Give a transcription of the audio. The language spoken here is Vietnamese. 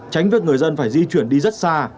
tránh việc người dân phải di chuyển đi rất xa